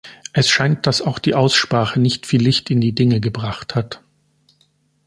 Es scheint, dass auch die Aussprache nicht viel Licht in die Dinge gebracht hat.